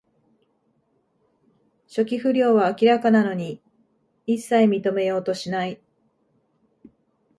初期不良は明らかなのに、いっさい認めようとしない